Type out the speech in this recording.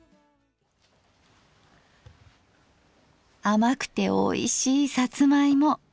甘くておいしいさつま芋。